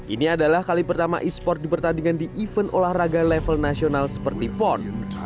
ini adalah kali pertama e sport dipertandingkan di event olahraga level nasional seperti pon